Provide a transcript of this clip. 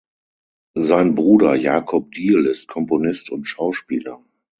Sein Bruder Jakob Diehl ist Komponist und Schauspieler.